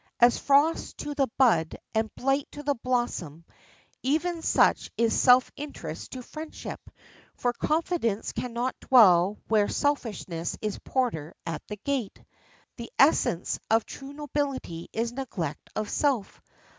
As frost to the bud and blight to the blossom, even such is self interest to friendship, for confidence can not dwell where selfishness is porter at the gate. The essence of true nobility is neglect of self.